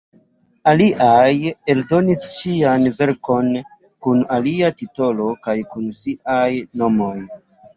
Aliaj eldonis ŝian verkon kun alia titolo kaj kun siaj nomoj.